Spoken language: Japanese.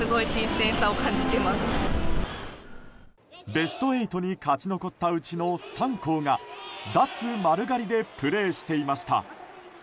ベスト８に勝ち残ったうちの３校が脱丸刈りでプレーしていました。